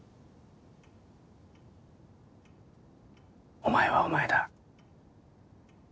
お前はお前だ。